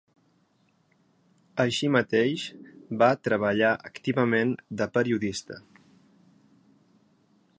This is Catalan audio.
Així mateix, va treballar activament de periodista.